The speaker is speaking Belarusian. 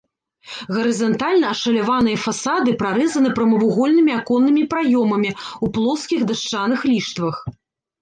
Гарызантальна ашаляваныя фасады прарэзаны прамавугольнымі аконнымі праёмамі ў плоскіх дашчаных ліштвах.